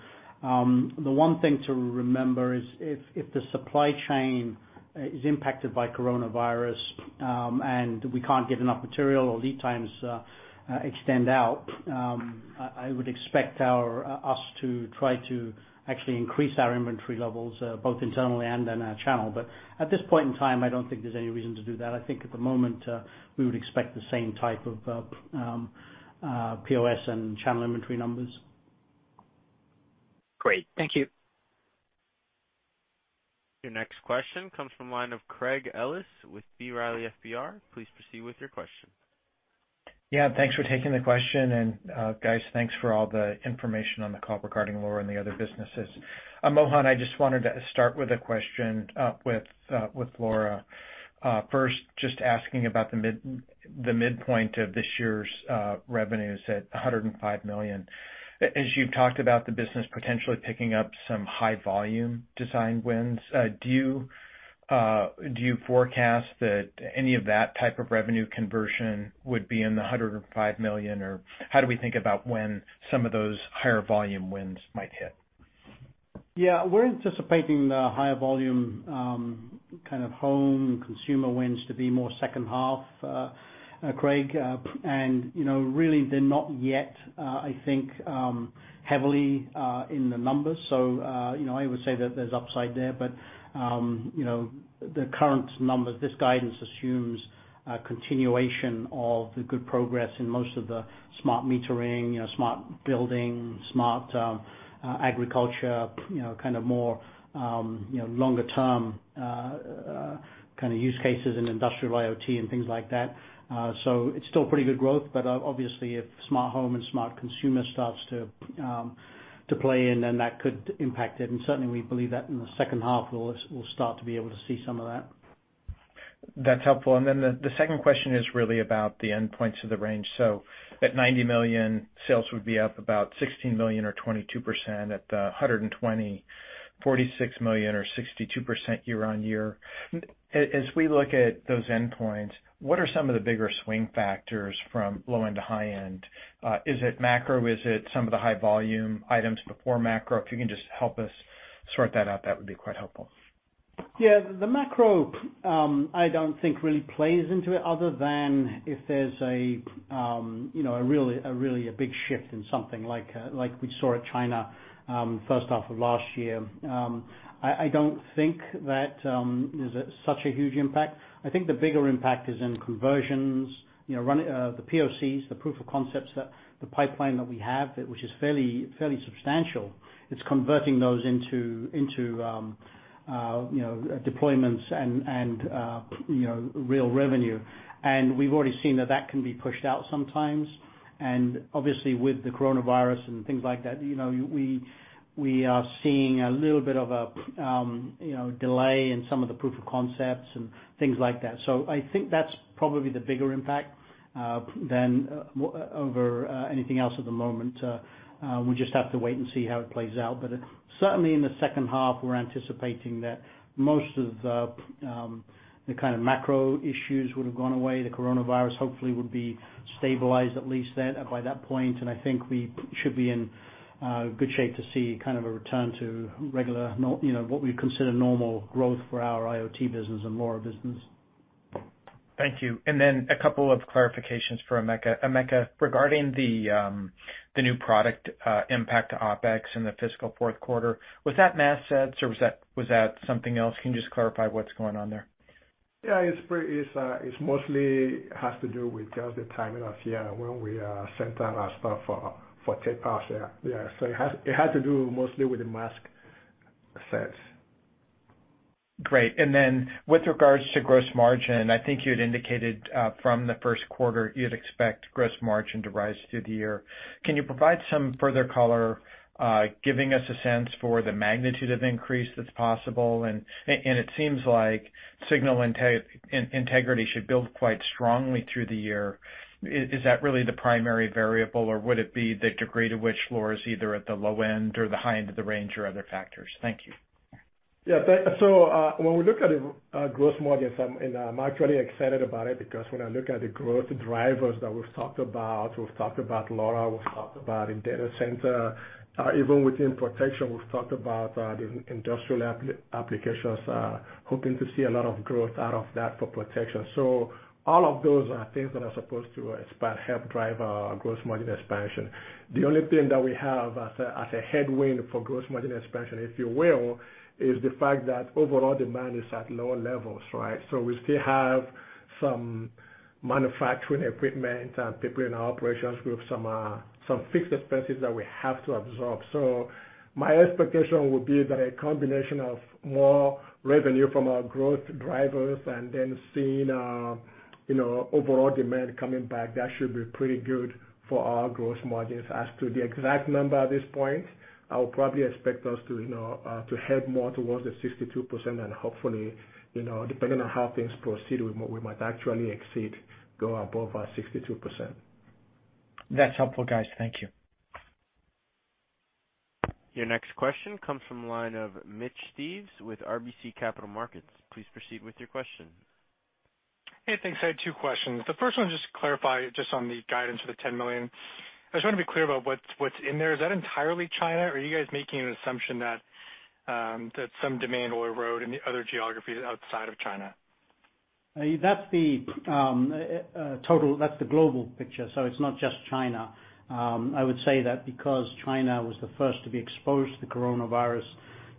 The one thing to remember is if the supply chain is impacted by coronavirus, and we can't get enough material or lead times extend out, I would expect us to try to actually increase our inventory levels, both internally and in our channel. At this point in time, I don't think there's any reason to do that. I think at the moment, we would expect the same type of POS and channel inventory numbers. Great. Thank you. Your next question comes from the line of Craig Ellis with B. Riley FBR. Please proceed with your question. Yeah, thanks for taking the question. Guys, thanks for all the information on the call regarding LoRa and the other businesses. Mohan, I just wanted to start with a question with LoRa. First, just asking about the midpoint of this year's revenues at $105 million. As you've talked about the business potentially picking up some high volume design wins, do you forecast that any of that type of revenue conversion would be in the $105 million, or how do we think about when some of those higher volume wins might hit? Yeah. We're anticipating the higher volume kind of home consumer wins to be more second half, Craig. Really they're not yet, I think, heavily in the numbers. I would say that there's upside there. The current numbers, this guidance assumes a continuation of the good progress in most of the smart metering, smart building, smart agriculture, kind of more longer term use cases in industrial IoT and things like that. It's still pretty good growth, but obviously if smart home and smart consumer starts to play in, then that could impact it. Certainly, we believe that in the second half, we'll start to be able to see some of that. That's helpful. The second question is really about the endpoints of the range. At $90 million, sales would be up about $16 million or 22%. At the $120 million, $46 million or 62% year-on-year. As we look at those endpoints, what are some of the bigger swing factors from low end to high end? Is it macro? Is it some of the high volume items before macro? If you can just help us sort that out, that would be quite helpful. Yeah. The macro, I don't think really plays into it other than if there's really a big shift in something like we saw at China first half of last year. I don't think that there's such a huge impact. I think the bigger impact is in conversions, running the POCs, the proof of concepts, that the pipeline that we have, which is fairly substantial. It's converting those into deployments and real revenue. We've already seen that that can be pushed out sometimes. Obviously with the coronavirus and things like that, we are seeing a little bit of a delay in some of the proof of concepts and things like that. I think that's probably the bigger impact than over anything else at the moment. We just have to wait and see how it plays out. Certainly in the second half, we're anticipating that most of the kind of macro issues would have gone away. The coronavirus hopefully would be stabilized at least by that point. I think we should be in good shape to see kind of a return to what we'd consider normal growth for our IoT business and LoRa business. Thank you. A couple of clarifications for Emeka. Emeka, regarding the new product impact to OpEx in the fiscal fourth quarter, was that mask sets or was that something else? Can you just clarify what's going on there? Yeah. It mostly has to do with just the timing last year when we sent out our stuff for Takeoffs, yeah. It had to do mostly with the Mask sets. Great. With regards to gross margin, I think you had indicated from the first quarter you'd expect gross margin to rise through the year. Can you provide some further color giving us a sense for the magnitude of increase that's possible? It seems like signal integrity should build quite strongly through the year. Is that really the primary variable, or would it be the degree to which LoRa is either at the low end or the high end of the range or other factors? Thank you. Yeah. When we look at the gross margins, and I'm actually excited about it because when I look at the growth drivers that we've talked about, we've talked about LoRa, we've talked about in data center, even within protection, we've talked about the industrial applications, hoping to see a lot of growth out of that for protection. All of those are things that are supposed to help drive our gross margin expansion. The only thing that we have as a headwind for gross margin expansion, if you will, is the fact that overall demand is at lower levels, right? We still have some manufacturing equipment, people in our operations group, some fixed expenses that we have to absorb. My expectation would be that a combination of more revenue from our growth drivers and then seeing overall demand coming back, that should be pretty good for our gross margins. As to the exact number at this point, I would probably expect us to head more towards the 62% and hopefully, depending on how things proceed, we might actually exceed, go above our 62%. That's helpful, guys. Thank you. Your next question comes from the line of Mitch Steves with RBC Capital Markets. Please proceed with your question. Hey, thanks. I had two questions. The first one, just to clarify just on the guidance for the $10 million. I just want to be clear about what's in there. Is that entirely China, or are you guys making an assumption that some demand will erode in the other geographies outside of China? That's the global picture. It's not just China. I would say that because China was the first to be exposed to coronavirus,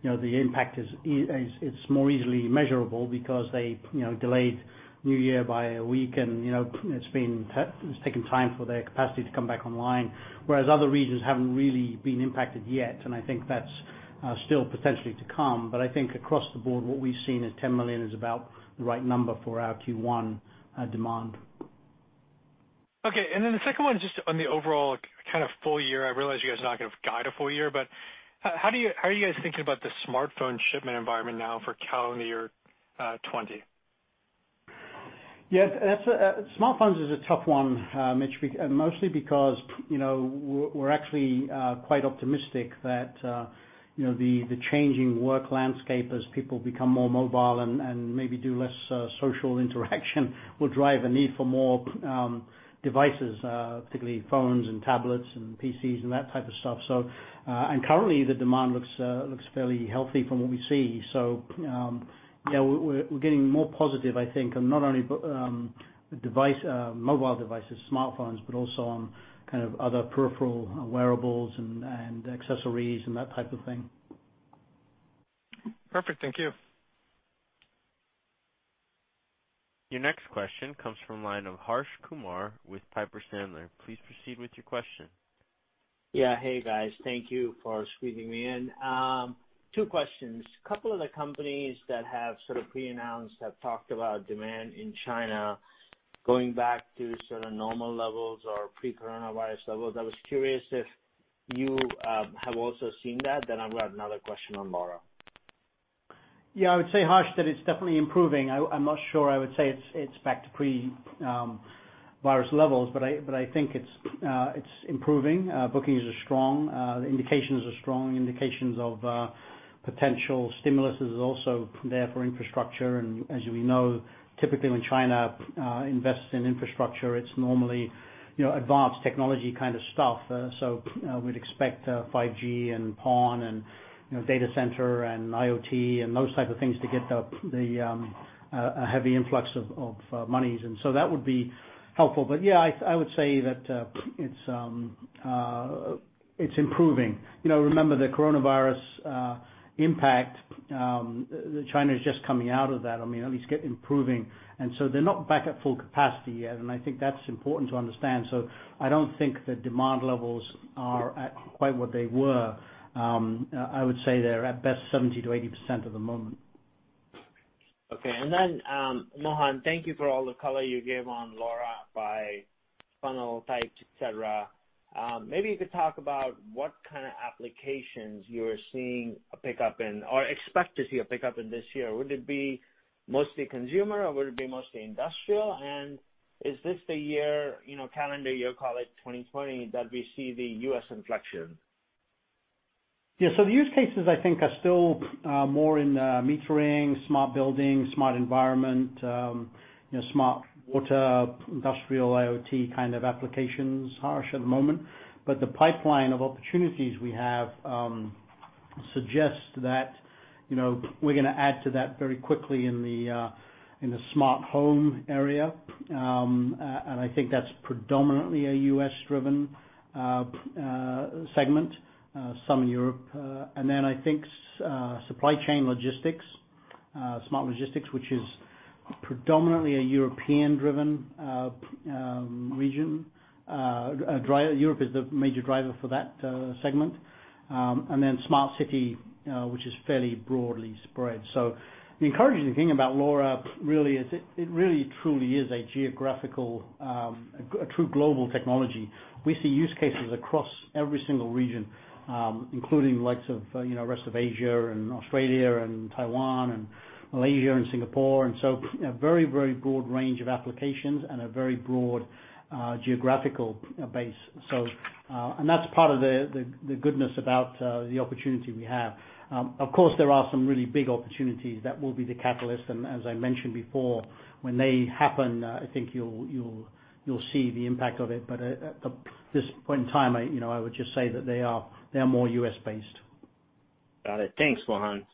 the impact is more easily measurable because they delayed New Year by a week, and it's taken time for their capacity to come back online. Whereas other regions haven't really been impacted yet, and I think that's still potentially to come. I think across the board, what we've seen is $10 million is about the right number for our Q1 demand. Okay. The second one is just on the overall kind of full year. I realize you guys are not going to guide a full year, how are you guys thinking about the smartphone shipment environment now for calendar year 2020? Yeah. Smartphones is a tough one, Mitch. Mostly because we're actually quite optimistic that the changing work landscape as people become more mobile and maybe do less social interaction will drive a need for more devices, particularly phones and tablets and PCs and that type of stuff. Currently, the demand looks fairly healthy from what we see. Yeah, we're getting more positive, I think, on not only mobile devices, smartphones, but also on kind of other peripheral wearables and accessories and that type of thing. Perfect. Thank you. Your next question comes from the line of Harsh Kumar with Piper Sandler. Please proceed with your question. Yeah. Hey, guys. Thank you for squeezing me in. Two questions. A couple of the companies that have sort of pre-announced have talked about demand in China going back to sort of normal levels or pre-coronavirus levels. I was curious if you have also seen that, then I've got another question on LoRa. Yeah, I would say, Harsh, that it's definitely improving. I'm not sure I would say it's back to pre-virus levels, but I think it's improving. Bookings are strong. The indications are strong. Indications of potential stimulus is also there for infrastructure, and as we know, typically when China invests in infrastructure, it's normally advanced technology kind of stuff. We'd expect 5G and PON and data center and IoT and those type of things to get a heavy influx of monies, and so that would be helpful. Yeah, I would say that it's improving. Remember the coronavirus impact, China's just coming out of that, I mean, at least improving. They're not back at full capacity yet, and I think that's important to understand. I don't think the demand levels are at quite what they were. I would say they're at best 70%-80% at the moment. Okay. Mohan, thank you for all the color you gave on LoRa by funnel types, et cetera. Maybe you could talk about what kind of applications you're seeing a pickup in or expect to see a pickup in this year. Would it be mostly consumer, or would it be mostly industrial? Is this the year, calendar year, call it 2020, that we see the U.S. inflection? The use cases, I think are still more in metering, smart building, smart environment, smart water, industrial IoT kind of applications, Harsh, at the moment. The pipeline of opportunities we have suggests that we're going to add to that very quickly in the smart home area. I think that's predominantly a U.S.-driven segment, some in Europe. I think supply chain logistics, smart logistics, which is predominantly a European-driven region. Europe is the major driver for that segment. Smart city, which is fairly broadly spread. The encouraging thing about LoRa really is it really truly is a geographical, a true global technology. We see use cases across every single region, including the likes of rest of Asia and Australia and Taiwan and Malaysia and Singapore. A very, very broad range of applications and a very broad geographical base. That's part of the goodness about the opportunity we have. Of course, there are some really big opportunities that will be the catalyst, and as I mentioned before, when they happen, I think you'll see the impact of it. At this point in time, I would just say that they are more U.S.-based. Got it. Thanks, Mohan.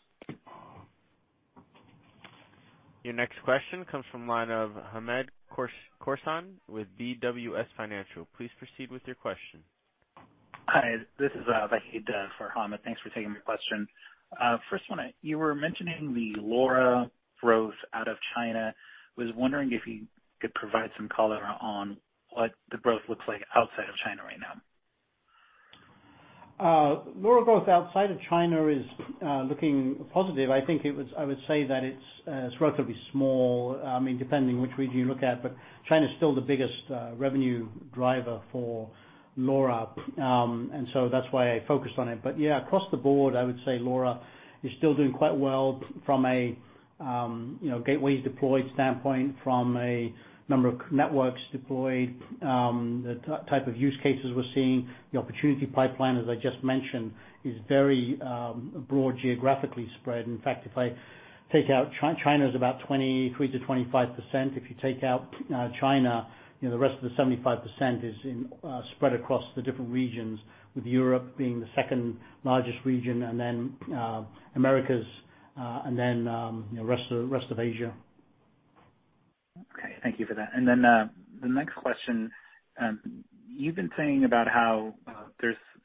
Your next question comes from the line of Hamed Khorsand with BWS Financial. Please proceed with your question. Hi, this is Vahid for Hamed. Thanks for taking my question. First one, you were mentioning the LoRa growth out of China. I was wondering if you could provide some color on what the growth looks like outside of China right now? LoRa growth outside of China is looking positive. I think I would say that it's relatively small, depending which region you look at. China's still the biggest revenue driver for LoRa, that's why I focused on it. Across the board, I would say LoRa is still doing quite well from a gateways deployed standpoint, from a number of networks deployed, the type of use cases we're seeing. The opportunity pipeline, as I just mentioned, is very broad geographically spread. In fact, China's about 23%-25%. If you take out China, the rest of the 75% is spread across the different regions, with Europe being the second-largest region, and then Americas, and then rest of Asia. Okay. Thank you for that. The next question. You've been saying about how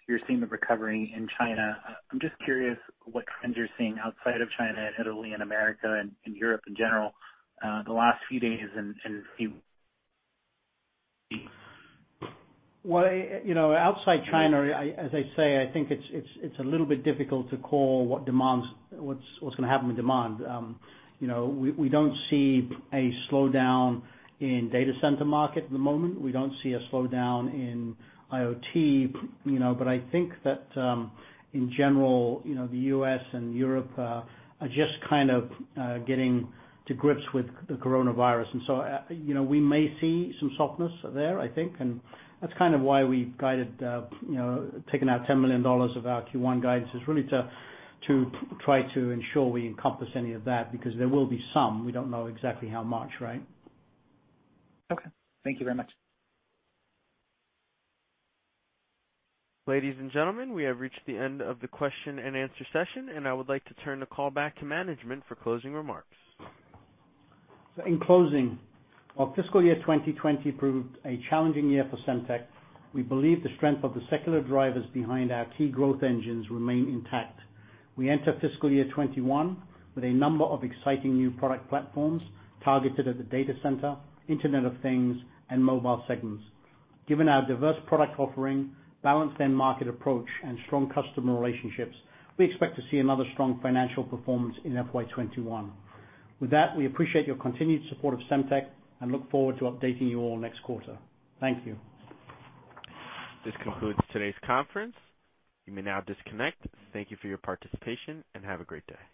you're seeing the recovery in China. I'm just curious what trends you're seeing outside of China, in Italy and America, and Europe in general, the last few days and few weeks. Well, outside China, as I say, I think it's a little bit difficult to call what's going to happen with demand. We don't see a slowdown in data center market at the moment. We don't see a slowdown in IoT. I think that in general, the U.S. and Europe are just kind of getting to grips with the coronavirus, we may see some softness there, I think. That's kind of why we've taken out $10 million of our Q1 guidance, is really to try to ensure we encompass any of that, because there will be some. We don't know exactly how much, right? Okay. Thank you very much. Ladies and gentlemen, we have reached the end of the question and answer session, and I would like to turn the call back to management for closing remarks. In closing, while fiscal year 2020 proved a challenging year for Semtech, we believe the strength of the secular drivers behind our key growth engines remain intact. We enter fiscal year 2021 with a number of exciting new product platforms targeted at the data center, Internet of Things, and mobile segments. Given our diverse product offering, balanced end market approach, and strong customer relationships, we expect to see another strong financial performance in FY 2021. With that, we appreciate your continued support of Semtech and look forward to updating you all next quarter. Thank you. This concludes today's conference. You may now disconnect. Thank you for your participation, and have a great day.